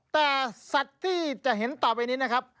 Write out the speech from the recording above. แต่สัตว์ที่จะเห็นต่อไปนี้นะครับ